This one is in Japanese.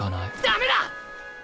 ダメだ！